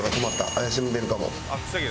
怪しんでるかも。